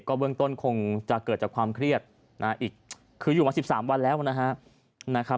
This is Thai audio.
เบื้องต้นคงจะเกิดจากความเครียดอีกคืออยู่มา๑๓วันแล้วนะครับ